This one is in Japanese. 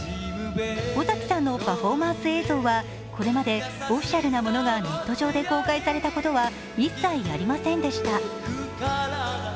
尾崎さんのパフォーマンス映像はこれまでオフィシャルなものがネット上で公開されたことは一切ありませんでした。